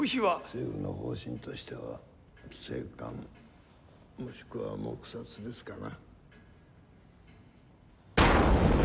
政府の方針としては静観もしくは黙殺ですかな。